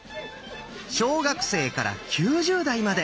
小学生から９０代まで。